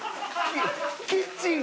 キッチン